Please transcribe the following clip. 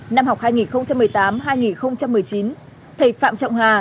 năm học hai nghìn một mươi tám hai nghìn một mươi chín thầy phạm trọng hà